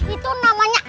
itu namanya les